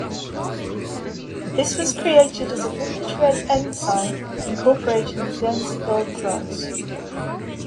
This was created as a British red ensign incorporating the Guernsey gold cross.